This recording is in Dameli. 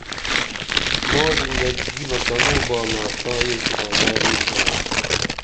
ماں زندگی بہ کنوں بانا تاں یہ شوبائنار نی تھانا